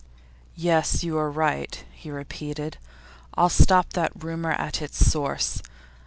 'Yes, you are right,' he repeated. 'I'll stop that rumour at its source.